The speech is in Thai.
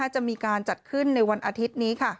จะมีการจัดขึ้นในวันอาทิตย์นี้